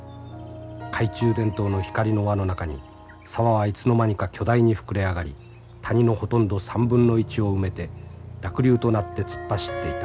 懐中電灯の光の輪の中に沢はいつの間にか巨大に膨れ上がり谷のほとんど３分の１を埋めて濁流となって突っ走っていた。